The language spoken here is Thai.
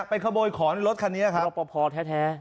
เป็นขโมยขอนในรถคันนี้แห้ง